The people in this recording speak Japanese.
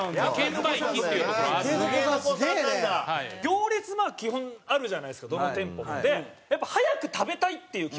行列まあ基本あるじゃないですかどの店舗も。でやっぱ早く食べたいっていう気持ち